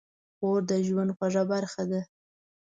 خور د ژوند خوږه برخه ده.